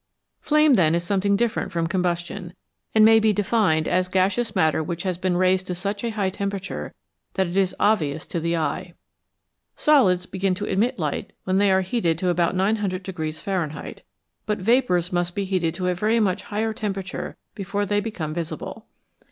Flame, then, is something different from combustion, and may be defined as gaseous matter which has been raised to such a high temperature that it is obvious to 154 FLAME: WHAT IS IT? the eye. Solids begin to emit light when they are heated to about 900 Fahrenheit, but vapours must be raised to a very much higher temperature before they become visible.